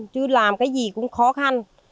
chứ làm cái gì cũng khó khăn